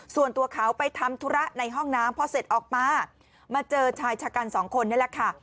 ส่วนตัวเขาไปทำธุระในห้องน้ำพอเสร็จออกมามาเจอชายชะกันสองคนนี่แหละค่ะ